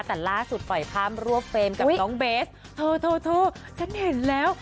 แต่ล่าสุดปล่อยภาพรวบเฟรมกับน้องเบสโถฉันเห็นแล้ว